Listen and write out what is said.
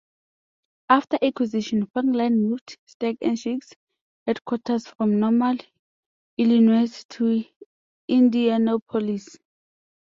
After the acquisition, Franklin moved Steak 'n Shake's headquarters from Normal, Illinois to Indianapolis.